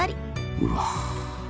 うわ！